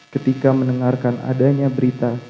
ketika mendengarkan adanya berita